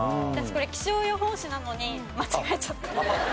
私これ気象予報士なのに間違えちゃった。